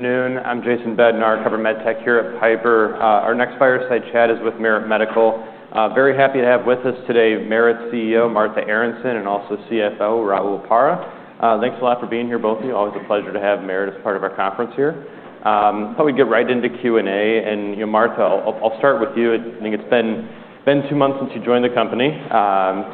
All right. Good afternoon. I'm Jason Bednar, covering MedTech here at Piper. Our next fireside chat is with Merit Medical. Very happy to have with us today Merit CEO Martha Aronson and also CFO Raul Parra. Thanks a lot for being here, both of you. Always a pleasure to have Merit as part of our conference here. I thought we'd get right into Q&A. And, Martha, I'll start with you. I think it's been two months since you joined the company.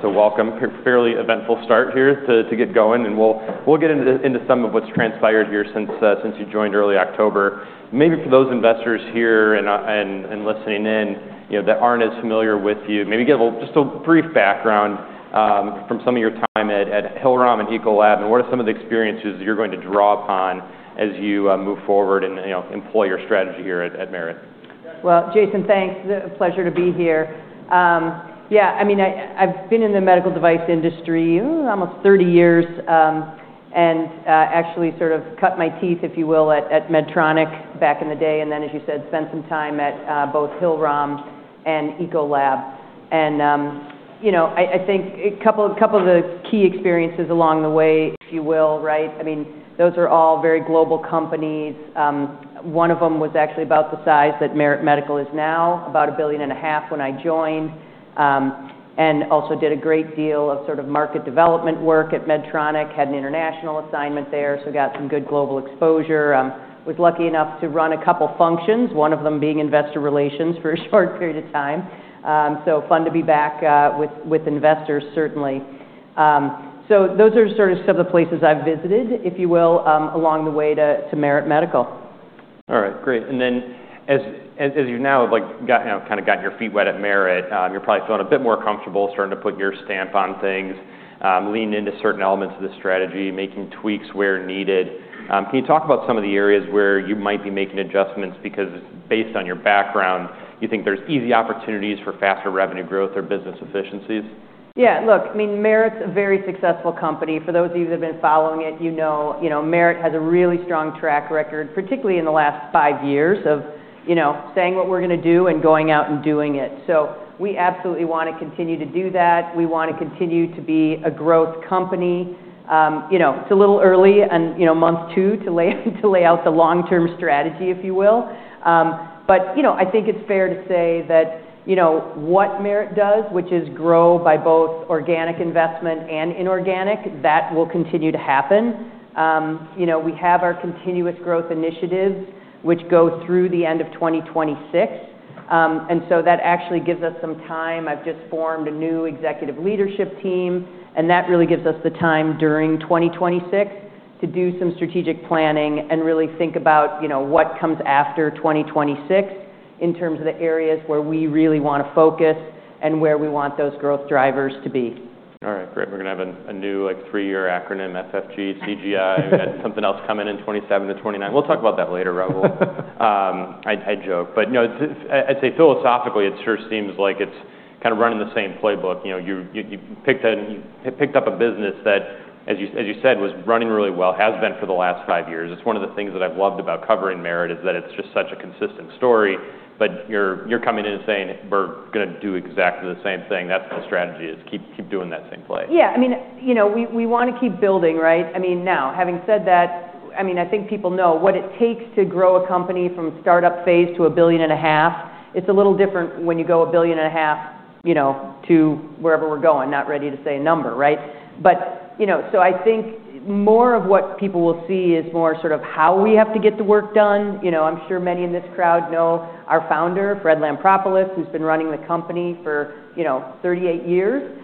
So welcome. Fairly eventful start here to get going. And we'll get into some of what's transpired here since you joined early October. Maybe for those investors here and listening in, you know, that aren't as familiar with you, maybe give just a brief background from some of your time at Hillrom and Ecolab, and what are some of the experiences that you're going to draw upon as you move forward and, you know, employ your strategy here at Merit? Jason, thanks. The pleasure to be here. Yeah, I mean, I, I've been in the medical device industry almost 30 years, and, actually sort of cut my teeth, if you will, at, at Medtronic back in the day. And then, as you said, spent some time at, both Hillram and Ecolab. And, you know, I, I think a couple, couple of the key experiences along the way, if you will, right? I mean, those are all very global companies. One of them was actually about the size that Merit Medical is now, about $1.5 billion when I joined. And also did a great deal of sort of market development work at Medtronic, had an international assignment there, so got some good global exposure. Was lucky enough to run a couple functions, one of them being investor relations for a short period of time. So fun to be back with investors, certainly. So those are sort of some of the places I've visited, if you will, along the way to Merit Medical. All right. Great. And then as you've now, like, got, you know, kind of gotten your feet wet at Merit, you're probably feeling a bit more comfortable starting to put your stamp on things, lean into certain elements of the strategy, making tweaks where needed. Can you talk about some of the areas where you might be making adjustments because, based on your background, you think there's easy opportunities for faster revenue growth or business efficiencies? Yeah. Look, I mean, Merit's a very successful company. For those of you that have been following it, Merit has a really strong track record, particularly in the last five years of, you know, saying what we're gonna do and going out and doing it. So we absolutely wanna continue to do that. We wanna continue to be a growth company. It's a little early on month two to lay out the long-term strategy, if you will, but I think it's fair to say that what Merit does, which is grow by both organic investment and inorganic, that will continue to happen. We have our continuous growth initiatives which go through the end of 2026, and so that actually gives us some time. I've just formed a new executive leadership team, and that really gives us the time during 2026 to do some strategic planning and really think about, you know, what comes after 2026 in terms of the areas where we really wanna focus and where we want those growth drivers to be. All right. Great. We're gonna have a new, like, three-year acronym, FFG, CGI. We had something else come in in 2027 to 2029. We'll talk about that later, Raul. I joke. But, you know, it's, I'd say philosophically, it sure seems like it's kind of running the same playbook. You know, you picked up a business that, as you said, was running really well, has been for the last five years. It's one of the things that I've loved about covering Merit is that it's just such a consistent story. But you're coming in and saying, "We're gonna do exactly the same thing." That's the strategy is keep doing that same play. Yeah. I mean, we wanna keep building, right? I mean, now, having said that, I mean, I think people know what it takes to grow a company from startup phase to a billion and a half. It's a little different when you go a billion and a half, you know, to wherever we're going, not ready to say a number, right? But, you know, so I think more of what people will see is more sort of how we have to get the work don. I'm sure many in this crowd know our founder, Fred Lampropoulos, who's been running the company for, you know, 38 years,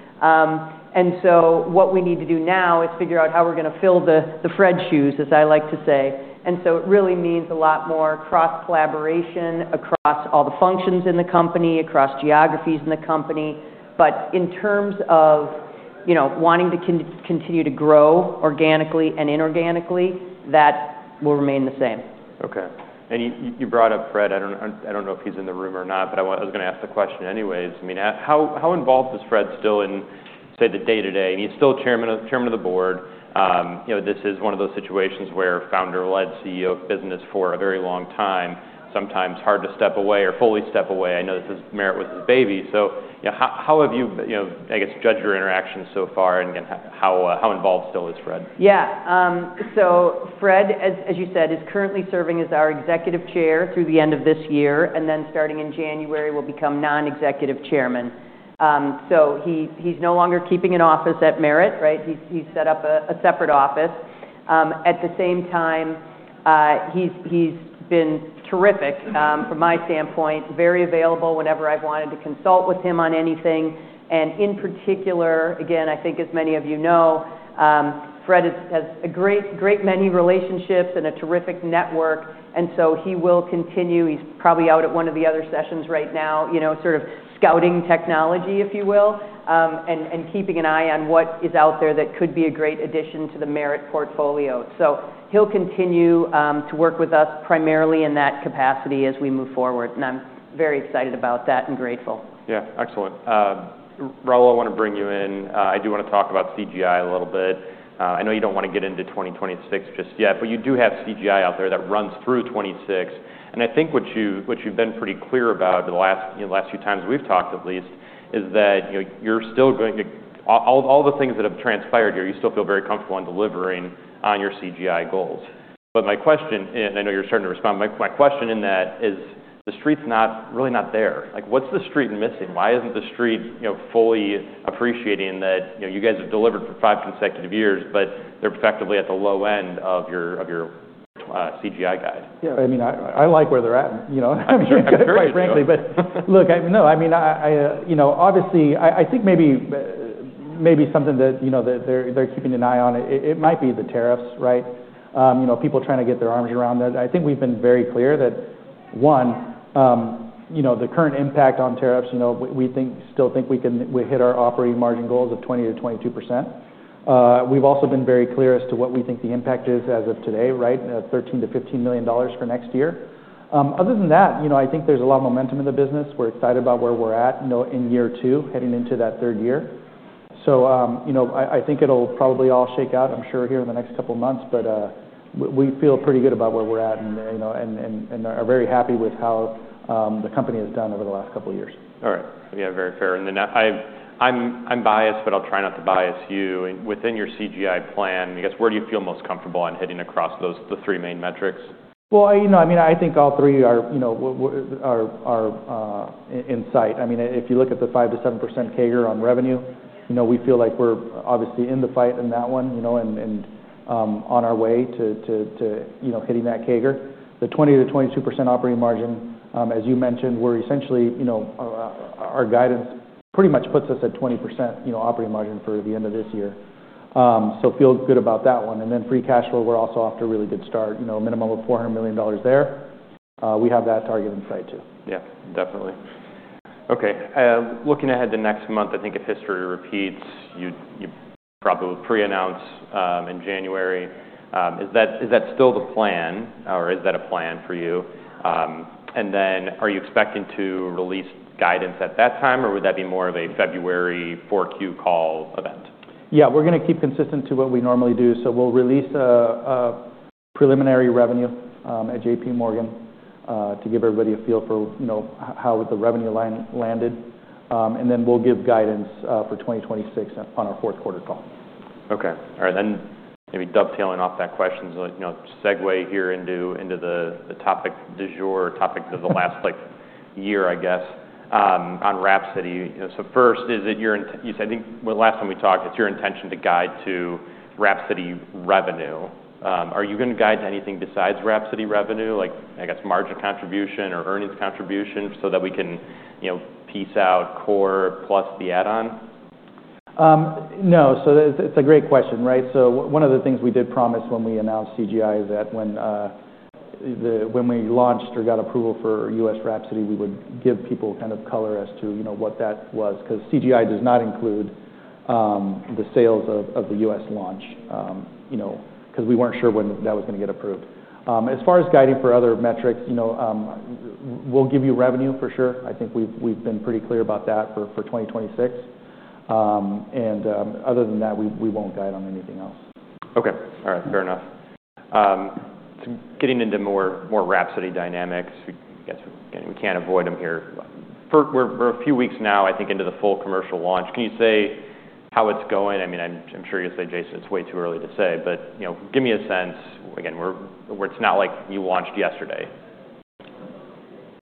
and so what we need to do now is figure out how we're gonna fill the, the Fred shoes, as I like to say. And so it really means a lot more cross-collaboration across all the functions in the company, across geographies in the company. But in terms of, you know, wanting to continue to grow organically and inorganically, that will remain the same. Okay. And you brought up Fred. I don't know if he's in the room or not, but I was gonna ask the question anyways. I mean, how involved is Fred still in, say, the day-to-day? I mean, he's still chairman of the board. You know, this is one of those situations where founder-led CEO of business for a very long time, sometimes hard to step away or fully step away. I know this is Merit was his baby. So, how have you, I guess, judged your interactions so far? And again, how involved still is Fred? Yeah. So Fred, as you said, is currently serving as our executive chair through the end of this year, and then starting in January, will become non-executive chairman. So he, he's no longer keeping an office at Merit, right? He's set up a separate office. At the same time, he's been terrific, from my standpoint, very available whenever I've wanted to consult with him on anything. And in particular, again, I think as many of you know, Fred has a great many relationships and a terrific network. And so he will continue. He's probably out at one of the other sessions right now, you know, sort of scouting technology, if you will, and keeping an eye on what is out there that could be a great addition to the Merit portfolio. So he'll continue to work with us primarily in that capacity as we move forward. And I'm very excited about that and grateful. Yeah. Excellent. Raul, I wanna bring you in. I do wanna talk about CGI a little bit. I know you don't wanna get into 2026 just yet, but you do have CGI out there that runs through 2026. And I think what you've, what you've been pretty clear about the last, you know, last few times we've talked, at least, is that, you know, you're still going to all, all the things that have transpired here, you still feel very comfortable in delivering on your CGI goals. But my question, and I know you're starting to respond, my, my question in that is the street's not really not there. Like, what's the street missing? Why isn't the street, you know, fully appreciating that, you know, you guys have delivered for five consecutive years, but they're effectively at the low end of your, of your, CGI guide? I mean, I like where they're at, you know? I mean, quite frankly. But look, I know, I mean, you know, obviously, I think maybe something that, you know, that they're keeping an eye on, it might be the tariffs, right? You know, people trying to get their arms around that. I think we've been very clear that, one, you know, the current impact on tariffs, you know, we think we can still hit our operating margin goals of 20%-22%. We've also been very clear as to what we think the impact is as of today, right? $13 million-$15 million for next year. Other than that, you know, I think there's a lot of momentum in the business. We're excited about where we're at in year two, heading into that third year. So, you know, I think it'll probably all shake out, I'm sure, here in the next couple months. But, we feel pretty good about where we're at and, you know, are very happy with how the company has done over the last couple years. All right. Yeah. Very fair. And then I'm biased, but I'll try not to bias you. And within your CGI plan, I guess, where do you feel most comfortable on hitting across those, the three main metrics? Well, you know, I mean, I think all three are, you know, are in sight. I mean, if you look at the 5%-7% CAGR on revenue, you know, we feel like we're obviously in the fight in that one, you know, and on our way to, you know, hitting that CAGR. The 20%-22% operating margin, as you mentioned, we're essentially, you know, our guidance pretty much puts us at 20%, you know, operating margin for the end of this year. So feel good about that one. And then free cash flow, we're also off to a really good start, you know, a minimum of $400 million there. We have that target in sight too. Yeah. Definitely. Okay. Looking ahead to next month, I think if history repeats, you probably will pre-announce in January. Is that still the plan, or is that a plan for you? And then are you expecting to release guidance at that time, or would that be more of a February 4Q call event? Yeah. We're gonna keep consistent to what we normally do. So we'll release a preliminary revenue at J.P. Morgan to give everybody a feel for, you know, how the revenue line landed. And then we'll give guidance for 2026 on our fourth quarter call. Okay. All right. Then maybe dovetailing off that question as a, you know, segue here into the topic du jour, topic of the last, like, year, I guess, on Wrapsody. You know, so first, is it your intention? You said I think when last time we talked, it's your intention to guide to Wrapsody revenue. Are you gonna guide to anything besides Wrapsody revenue, like, I guess, margin contribution or earnings contribution so that we can, you know, piece out core plus the add-on? No. So it's a great question, right? So one of the things we did promise when we announced CGI is that when we launched or got approval for US Wrapsody, we would give people kind of color as to, you know, what that was. 'Cause CGI does not include the sales of the US launch, you know, 'cause we weren't sure when that was gonna get approved. As far as guiding for other metrics, you know, we'll give you revenue for sure. I think we've been pretty clear about that for 2026, and other than that, we won't guide on anything else. Okay. All right. Fair enough. Getting into more Wrapsody dynamics, we guess we can't avoid them here. We're a few weeks now, I think, into the full commercial launch. Can you say how it's going? I mean, I'm sure you'll say, "Jason, it's way too early to say." But, you know, give me a sense. Again, it's not like you launched yesterday.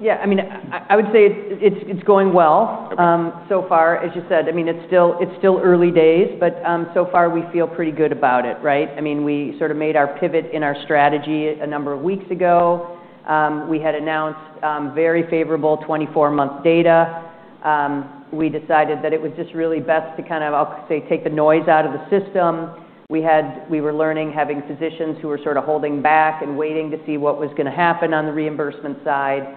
Yeah. I mean, I would say it's going well. Okay. So far, as you said. I mean, it's still early days, but so far, we feel pretty good about it, right? I mean, we sort of made our pivot in our strategy a number of weeks ago. We had announced very favorable 24-month data. We decided that it was just really best to kind of, I'll say, take the noise out of the system. We had, we were learning, having physicians who were sort of holding back and waiting to see what was gonna happen on the reimbursement side.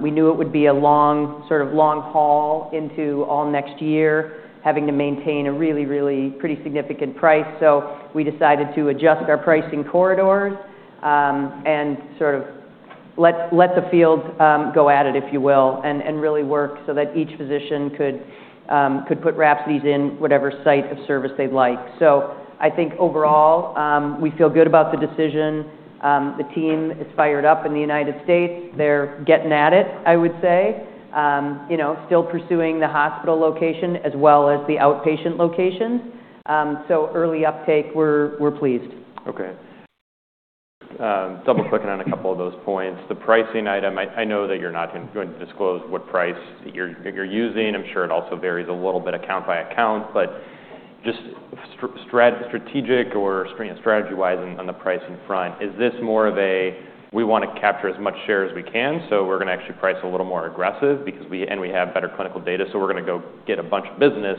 We knew it would be a long, sort of long haul into all next year, having to maintain a really, really pretty significant price. So we decided to adjust our pricing corridors, and sort of let the field go at it, if you will, and really work so that each physician could put Wrapsody in whatever site of service they'd like. So I think overall, we feel good about the decision. The team is fired up in the United States. They're getting at it, I would say, you know, still pursuing the hospital location as well as the outpatient locations. Early uptake, we're pleased. Okay. Double-clicking on a couple of those points. The pricing item, I know that you're not gonna disclose what price you're using. I'm sure it also varies a little bit account by account. But just strategic wise on, on the pricing front, is this more of a, "We wanna capture as much share as we can, so we're gonna actually price a little more aggressive because we have better clinical data, so we're gonna go get a bunch of business,"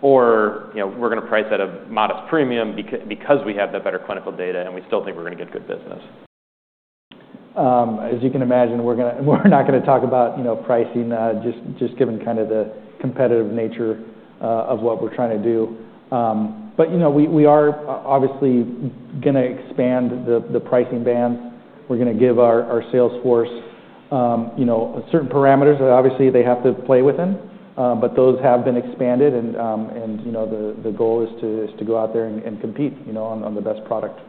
or, you know, "We're gonna price at a modest premium because we have that better clinical data, and we still think we're gonna get good business"? As you can imagine, we're not gonna talk about, you know, pricing, just given kind of the competitive nature of what we're trying to do, but you know, we are obviously gonna expand the pricing bands. We're gonna give our sales force, you know, certain parameters that obviously they have to play within, but those have been expanded, and you know, the goal is to go out there and compete, you know, on the best product.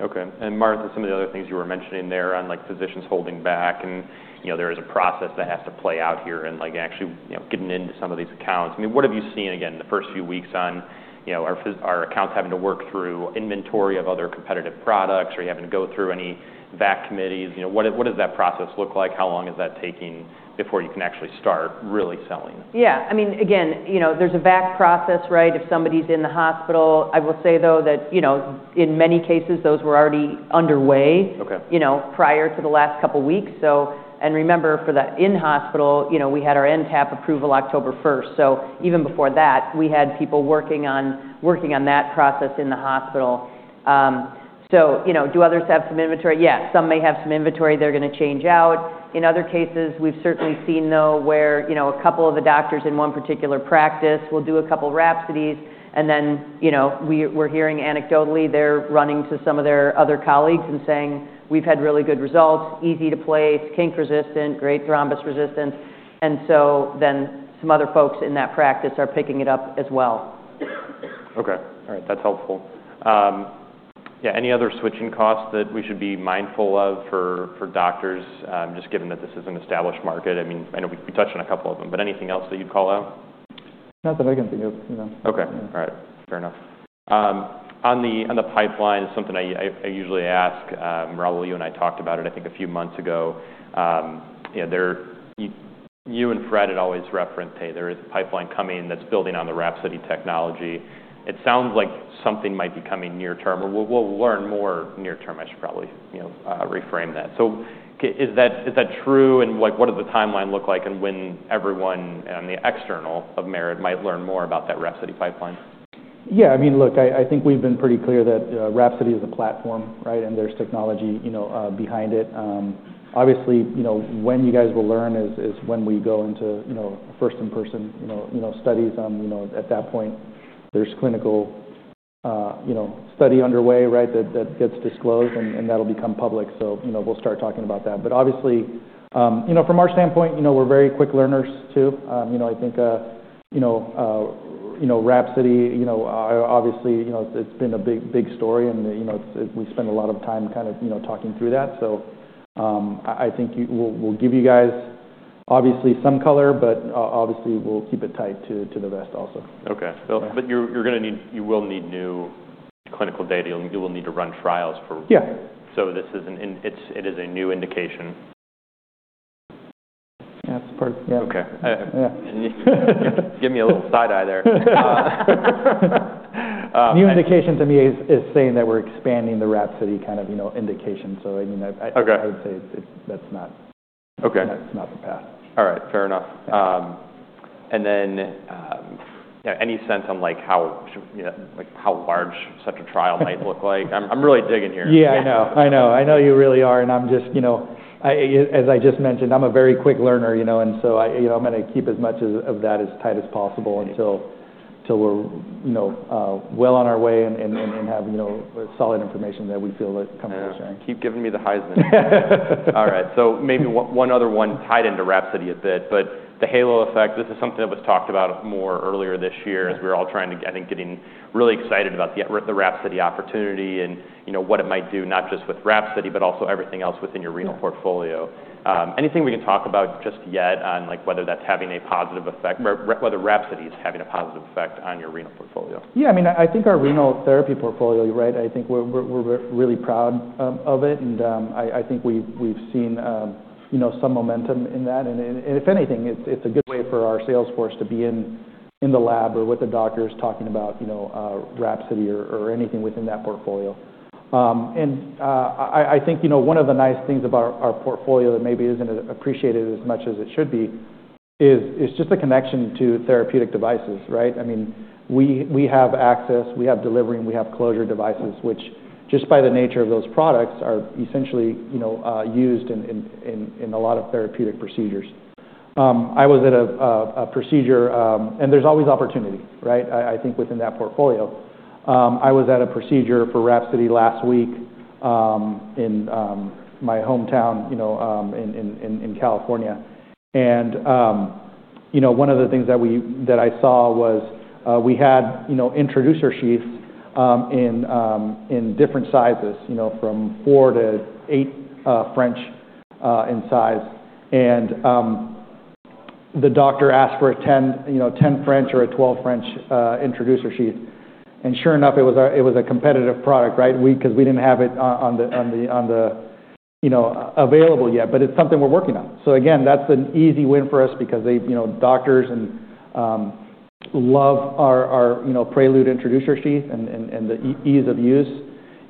Okay. And Martha, some of the other things you were mentioning there on, like, physicians holding back and, you know, there is a process that has to play out here and, like, actually, you know, getting into some of these accounts. I mean, what have you seen, again, the first few weeks on, you know, our accounts having to work through inventory of other competitive products or you having to go through any VAC committees? You know, what is, what does that process look like? How long is that taking before you can actually start really selling? Yeah. I mean, again, you know, there's a VAC process, right? If somebody's in the hospital, I will say, though, that, you know, in many cases, those were already underway. Okay. You know, prior to the last couple weeks. So and remember, for the in-hospital, you know, we had our NTAP approval October 1st. So even before that, we had people working on that process in the hospital. So, you know, do others have some inventory? Yeah. Some may have some inventory they're gonna change out. In other cases, we've certainly seen, though, where, you know, a couple of the doctors in one particular practice will do a couple Wrapsodies. And then, you know, we're hearing anecdotally they're running to some of their other colleagues and saying, "We've had really good results. Easy to place. Kink-resistant. Great thrombus resistance." And so then some other folks in that practice are picking it up as well. Okay. All right. That's helpful. Yeah. Any other switching costs that we should be mindful of for doctors, just given that this is an established market? I mean, I know we touched on a couple of them, but anything else that you'd call out? Not that I can think of, no. Okay. All right. Fair enough. On the pipeline, it's something I usually ask. Raul, you and I talked about it, I think, a few months ago. You know, you and Fred had always referenced, "Hey, there is a pipeline coming that's building on the Wrapsody technology." It sounds like something might be coming near term, or we'll learn more near term. I should probably, you know, reframe that. So, is that true? And, like, what does the timeline look like and when everyone on the external of Merit might learn more about that Wrapsody pipeline? Yeah. I mean, look, I, I think we've been pretty clear that Wrapsody is a platform, right? And there's technology, you know, behind it. Obviously, you know, when you guys will learn is, is when we go into, you know, first in-person, you know, you know, studies. You know, at that point, there's clinical, you know, study underway, right, that, that gets disclosed, and, and that'll become public. So, you know, we'll start talking about that. But obviously, you know, from our standpoint, you know, we're very quick learners too. Wrapsody, you know, obviously, it's been a big, big story. And, you know, it's, it's we spend a lot of time kind of, you know, talking through that. I think we'll give you guys, obviously, some color, but obviously, we'll keep it close to the vest also. Okay. So but you're gonna need new clinical data. You will need to run trials for. Yeah. So this is an indication. It is a new indication. That's part, yeah. Okay. Yeah. Give me a little side eye there. New indication to me is saying that we're expanding the Wrapsody kind of, you know, indication. So, I mean, I would say it's, that's not. Okay. That's not the path. All right. Fair enough. And then, you know, any sense on, like, how such a trial might look like? I'm really digging here. Yeah. I know. I know. I know you really are. And I'm just, you know, as I just mentioned, I'm a very quick learner, you know, and so I, you know, I'm gonna keep as much of that as tight as possible until we're, you know, well on our way and have, you know, solid information that we feel that comfortable sharing. All right. So maybe one other one tied into Wrapsody a bit, but the halo effect, this is something that was talked about more earlier this year as we were all trying to, I think, getting really excited about the Wrapsody opportunity and, you know, what it might do, not just with Wrapsody, but also everything else within your renal portfolio. Anything we can talk about just yet on, like, whether that's having a positive effect re whether Wrapsody is having a positive effect on your renal portfolio? Yeah. I mean, I think our renal therapy portfolio, you're right. I think we're really proud of it. And I think we've seen, you know, some momentum in that. And if anything, it's a good way for our sales force to be in the lab or with the doctors talking about, you know, Wrapsody or anything within that portfolio. And I think, you know, one of the nice things about our portfolio that maybe isn't appreciated as much as it should be is just the connection to therapeutic devices, right? I mean, we have access. We have delivering. We have closure devices, which just by the nature of those products are essentially, you know, used in a lot of therapeutic procedures. I was at a procedure, and there's always opportunity, right? I think within that portfolio. I was at a procedure for Wrapsody last week, in my hometown, you know, in California. And, you know, one of the things that I saw was, we had, you know, introducer sheaths, in different sizes, you know, from four to eight French in size. And, the doctor asked for a 10 French or a 12 French introducer sheath. And sure enough, it was a competitive product, right? We 'cause we didn't have it on the, you know, available yet, but it's something we're working on. So again, that's an easy win for us because they, you know, doctors love our, our, you know, Prelude introducer sheath and the ease of use.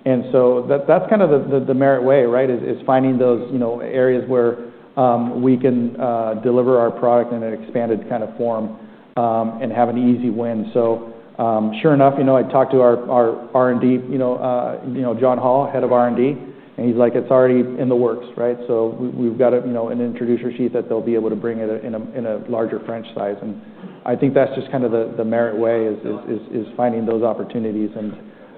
And so that's kind of the Merit way, right, is finding those, you know, areas where we can deliver our product in an expanded kind of form, and have an easy win. So, sure enough, you know, I talked to our R&D, you know, John Hall, head of R&D, and he's like, "It's already in the works," right? So we've got a, you know, an introducer sheath that they'll be able to bring in a larger French size. And I think that's just kind of the Merit way is finding those opportunities. And,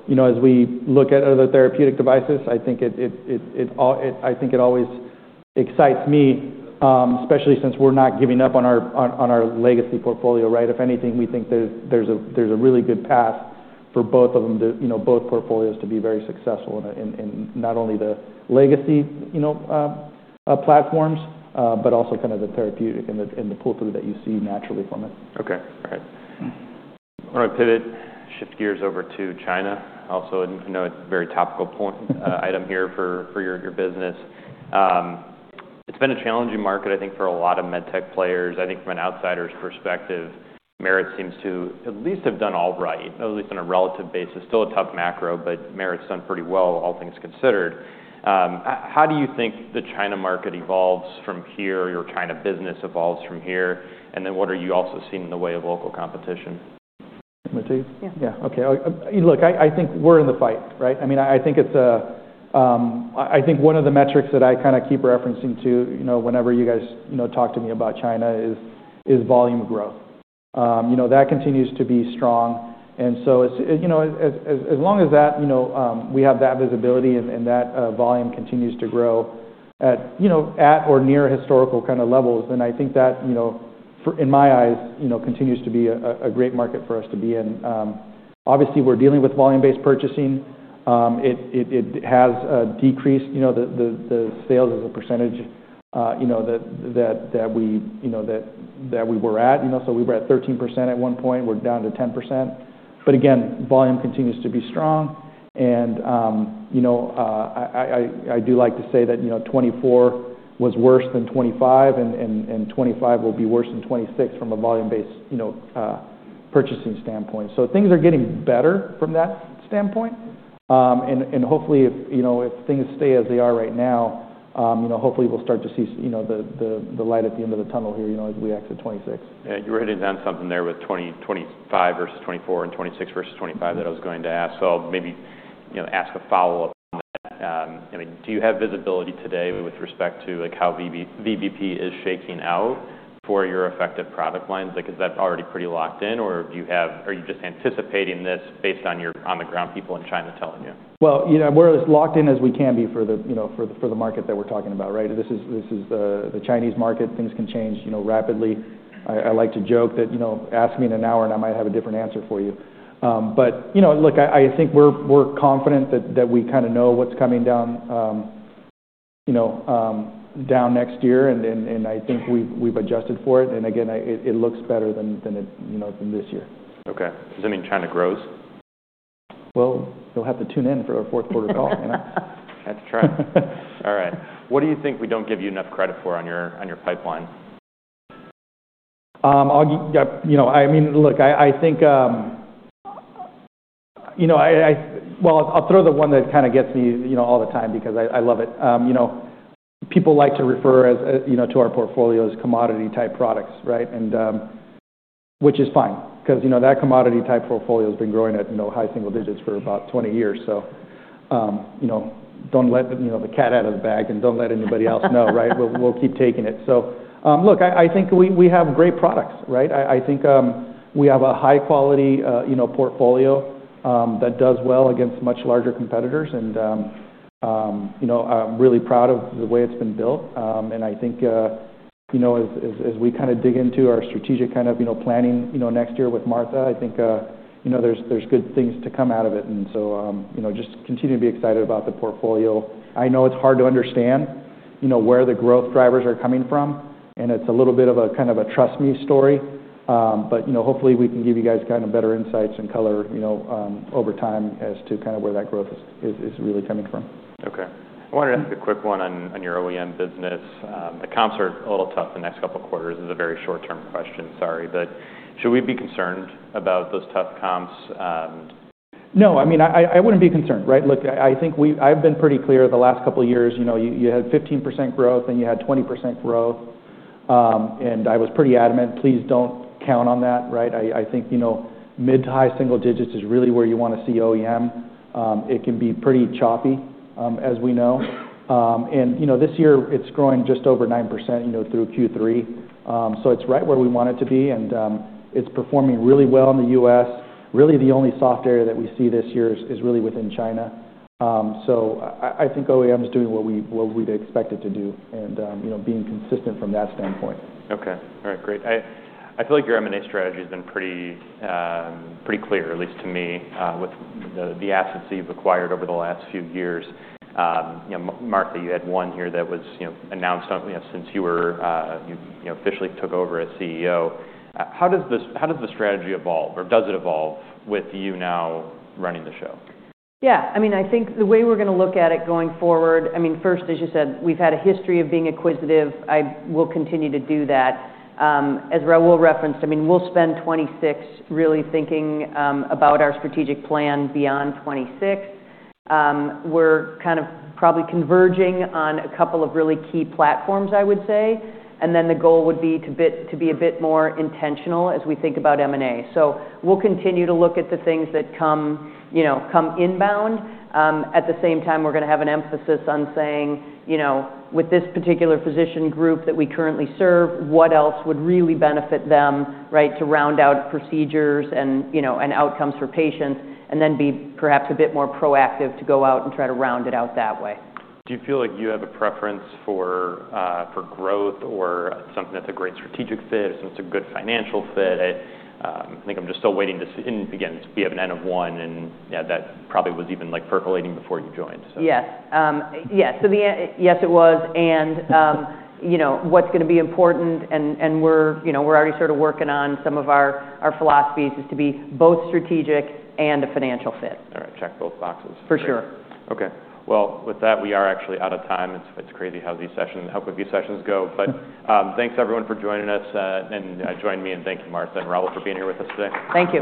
you know, as we look at other therapeutic devices, I think it always excites me, especially since we're not giving up on our legacy portfolio, right? If anything, we think there's a really good path for both of them to, you know, both portfolios to be very successful in, in not only the legacy, you know, platforms, but also kind of the therapeutic and the pull-through that you see naturally from it. Okay. All right. Pivot. Shift gears over to China. Also, I know it's a very topical point, item here for your business. It's been a challenging market, I think, for a lot of med tech players. I think from an outsider's perspective, Merit seems to at least have done all right, at least on a relative basis. Still a tough macro, but Merit's done pretty well, all things considered. How do you think the China market evolves from here? Your China business evolves from here? And then what are you also seeing in the way of local competition? My take? Yeah. Yeah. Okay. I look, I think we're in the fight, right? I mean, I think it's a, I think one of the metrics that I kinda keep referencing to, you know, whenever you guys, you know, talk to me about China is volume growth. You know, that continues to be strong. And so it's, you know, as long as that, you know, we have that visibility and that volume continues to grow at, you know, at or near historical kind of levels, then I think that, you know, for in my eyes, you know, continues to be a great market for us to be in. Obviously, we're dealing with volume-based purchasing. It has decreased, you know, the sales as a percentage, you know, that we, you know, that we were at, you know. So we were at 13% at one point. We're down to 10%. But again, volume continues to be strong. And, you know, I do like to say that, you know, 2024 was worse than 2025, and 2025 will be worse than 2026 from a volume-based, you know, purchasing standpoint. So things are getting better from that standpoint, and hopefully, if, you know, if things stay as they are right now, you know, hopefully, we'll start to see, you know, the light at the end of the tunnel here, you know, as we exit 2026. Yeah. You were hitting on something there with 20, 25 versus 24 and 26 versus 25 that I was going to ask. So I'll maybe, you know, ask a follow-up on that. I mean, do you have visibility today with respect to, like, how VBP is shaking out for your affected product lines? Like, is that already pretty locked in, or are you just anticipating this based on your on-the-ground people in China telling you? Well, you know, we're as locked in as we can be for the, you know, for the market that we're talking about, right? This is the Chinese market. Things can change, you know, rapidly. I like to joke that, you know, ask me in an hour, and I might have a different answer for you. But, you know, look, I think we're confident that we kinda know what's coming down, you know, next year. And I think we've adjusted for it. And again, it looks better than it, you know, than this year. Okay. Does that mean China grows? You'll have to tune in for our fourth quarter call, you know. I have to try. All right. What do you think we don't give you enough credit for on your pipeline? I mean, look, I think, you know, well, I'll throw the one that kinda gets me, you know, all the time because I love it. You know, people like to refer to our portfolio as commodity-type products, right? And which is fine 'cause, you know, that commodity-type portfolio has been growing at, you know, high single digits for about 20 years. So, you know, don't let the cat out of the bag, and don't let anybody else know, right? We'll keep taking it. So, look, I think we have great products, right? I think we have a high-quality, you know, portfolio that does well against much larger competitors. And, you know, I'm really proud of the way it's been built. And I think, you know, as we kinda dig into our strategic kind of, you know, planning, you know, next year with Martha, I think, you know, there's good things to come out of it. And so, you know, just continue to be excited about the portfolio. I know it's hard to understand, you know, where the growth drivers are coming from, and it's a little bit of a kind of a trust me story, but, you know, hopefully, we can give you guys kind of better insights and color, you know, over time as to kinda where that growth is really coming from. Okay. I wanted to ask a quick one on, on your OEM business. The comps are a little tough the next couple quarters. Is a very short-term question. Sorry. But should we be concerned about those tough comps? No. I mean, I wouldn't be concerned, right? Look, I think we've been pretty clear the last couple years. You know, you had 15% growth, and you had 20% growth. And I was pretty adamant, "Please don't count on that," right? I think, you know, mid to high single digits is really where you wanna see OEM. It can be pretty choppy, as we know. And, you know, this year, it's growing just over 9%, you know, through Q3. So it's right where we want it to be. And it's performing really well in the U.S. Really, the only soft area that we see this year is really within China. So I think OEM's doing what we'd expect it to do and, you know, being consistent from that standpoint. Okay. All right. Great. I, I feel like your M&A strategy has been pretty, pretty clear, at least to me, with the, the assets that you've acquired over the last few years. You know, Martha, you had one here that was, you know, announced, you know, since you, you know, officially took over as CEO. How does this, how does the strategy evolve or does it evolve with you now running the show? Yeah. I mean, I think the way we're gonna look at it going forward. I mean, first, as you said, we've had a history of being inquisitive. I will continue to do that. As Raul referenced, I mean, we'll spend 2026 really thinking about our strategic plan beyond 2026. We're kind of probably converging on a couple of really key platforms, I would say. And then the goal would be to be a bit more intentional as we think about M&A. So we'll continue to look at the things that come, you know, inbound. At the same time, we're gonna have an emphasis on saying, you know, with this particular physician group that we currently serve, what else would really benefit them, right, to round out procedures and, you know, and outcomes for patients and then be perhaps a bit more proactive to go out and try to round it out that way. Do you feel like you have a preference for, for growth or something that's a great strategic fit or something that's a good financial fit? I, I think I'm just still waiting to see, and again, we have an end of one, and, yeah, that probably was even, like, percolating before you joined, so. Yes. So the end yes, it was. And, you know, what's gonna be important and we're, you know, we're already sort of working on some of our philosophies is to be both strategic and a financial fit. All right. Check both boxes. For sure. Okay. Well, with that, we are actually out of time. It's crazy how quick these sessions go, but thanks, everyone, for joining us and join me and thank you, Martha and Raul, for being here with us today. Thank you.